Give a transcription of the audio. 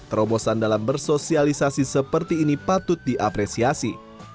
terobosan dalam bersosialisasi seperti ini patut diapresiasi